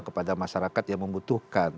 kepada masyarakat yang membutuhkan